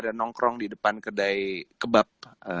ada nongkrong di depan kedai kebab